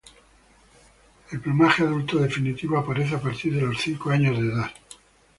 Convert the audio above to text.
El plumaje adulto definitivo aparece a partir de los cinco años de edad.